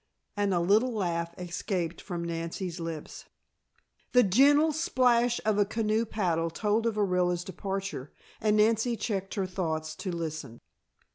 and a little laugh escaped from Nancy's lips. The gentle splash of a canoe paddle told of Orilla's departure, and Nancy checked her thoughts to listen.